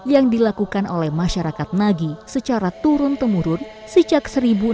yang dilakukan oleh masyarakat nagi secara turun temurun sejak seribu enam ratus